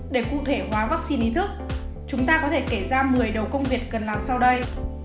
để cụ thể hóa vaccine ý thức chúng ta có thể kể ra một mươi đầu công việc cần làm sau đây